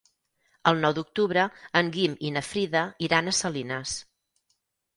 El nou d'octubre en Guim i na Frida iran a Salines.